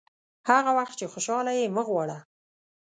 هغه وخت چې خوشاله یې مه غواړه.